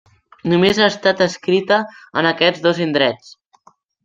Només ha estat descrita en aquests dos indrets.